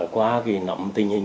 qua nắm tình hình